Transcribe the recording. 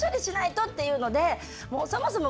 そもそも